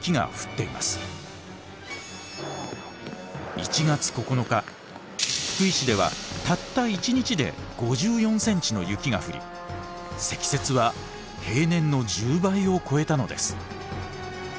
１月９日福井市ではたった１日で５４ｃｍの雪が降り積雪は平年の１０倍を超えたのです。